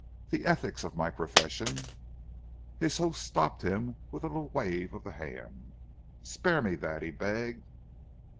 "The ethics of my profession " His host stopped him with a little wave of the hand. "Spare me that," he begged.